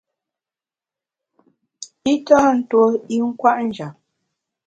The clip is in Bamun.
I tâ ntuo i nkwet njap.